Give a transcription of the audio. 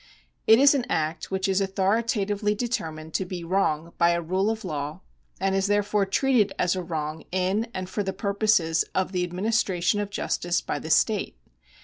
It is an act which is authoritatively determined to be wrong by a rule of law, and is therefore treated as a wrong in and for the purposes of the administration of justice by the state.